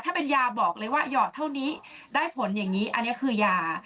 ถ้าเป็นยาบอกเลยว่าหยอกเท่านี้ได้ผลอย่างนี้อันนี้คือยา